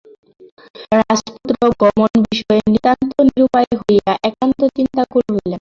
রাজপুত্র গমনবিষয়ে নিতান্ত নিরুপায় হইয়া একান্ত চিন্তাকুল হইলেন।